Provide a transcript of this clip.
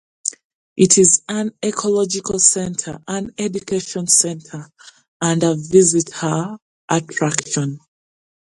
It is an ecological centre, an educational centre and a visitor attraction.